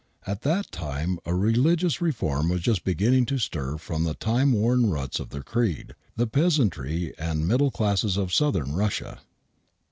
At that time a religious reform was just beginning to stir from the timeworn ruts of their creed, the peasantry and middle classes of Southern Russia.